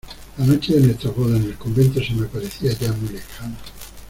la noche de nuestras bodas en el convento se me aparecía ya muy lejana